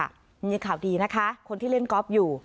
มีข่าวดีนะคะคนที่เล่นกอล์ฟอยู่